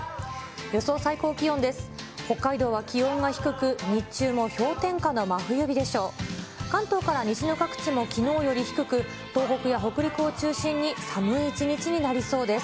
予想最高気温です。